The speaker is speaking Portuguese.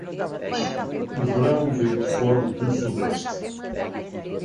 Haverá um vento forte do sudeste.